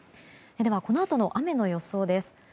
このあとの雨の予想です。